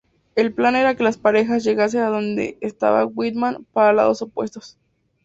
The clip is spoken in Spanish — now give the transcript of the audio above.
El plan era que las parejas llegasen a donde estaba Whitman por lados opuestos.